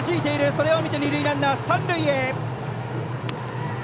それを見て二塁ランナー、三塁へ。